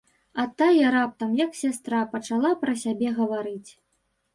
А тая раптам, як сястра, пачала пра сябе гаварыць.